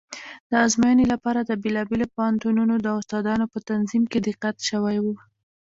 د ازموینې لپاره د بېلابېلو پوهنتونونو د استادانو په تنظیم کې دقت شوی و.